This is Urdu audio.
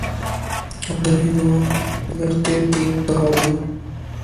برے لوگوں سے لڑتے تین بہادر